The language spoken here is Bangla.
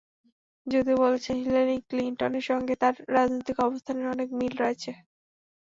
যদিও বলেছেন, হিলারি ক্লিনটনের সঙ্গে তাঁর রাজনৈতিক অবস্থানের অনেক মিল রয়েছে।